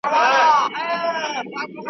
مګر کله چي د څه باندي اویا کالو `